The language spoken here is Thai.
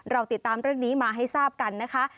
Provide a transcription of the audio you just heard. เราติดตามเรื่องนี้มาให้ทราบกันนะคะ